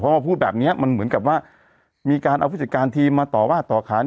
พอพูดแบบนี้มันเหมือนกับว่ามีการเอาผู้จัดการทีมมาต่อว่าต่อขาน